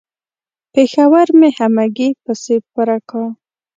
پېښور مې همګي پسې پره کا.